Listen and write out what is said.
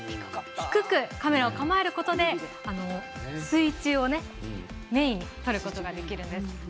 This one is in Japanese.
低くカメラを構えることで水中をメインに撮ることができるんです。